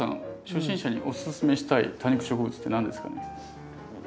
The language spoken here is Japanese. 初心者におススメしたい多肉植物って何ですかね？